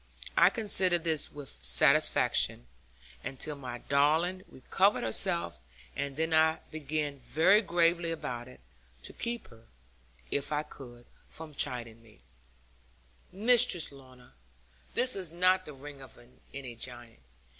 I considered this with satisfaction, until my darling recovered herself; and then I began very gravely about it, to keep her (if I could) from chiding me: 'Mistress Lorna, this is not the ring of any giant.